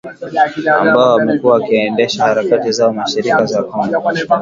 ambao wamekuwa wakiendesha harakati zao mashariki mwa Kongo